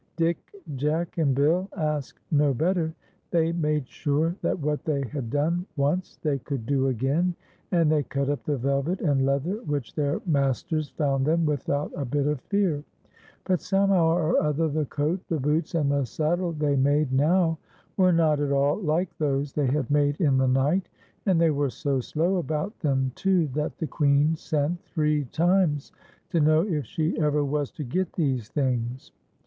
Dick, Jack, and Bill asked no better, they made sure that what they had done once they could do again, and they cut up the velvet and leather which their masters found them without TIPS Y 'S SIL VER BELL. 131 a bit of fear ; but someliow or other the coat, tlic boots, and the saddle they made now were not at all like those they had made in the night, and they were so slow about them too that the Queen sent three times to know if she ever was to get these things.